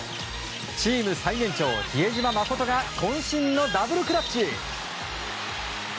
チーム最年長、比江島慎が渾身のダブルクラッチ！